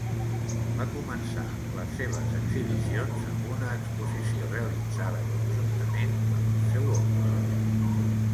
Va començar les seves exhibicions amb una exposició realitzada conjuntament amb el seu oncle.